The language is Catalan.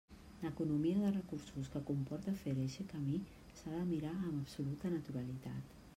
L'economia de recursos que comporta fer eixe camí s'ha de mirar amb absoluta naturalitat.